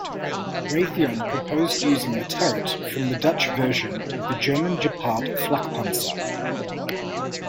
Raytheon proposed using the turret from the Dutch version of the German Gepard flakpanzer.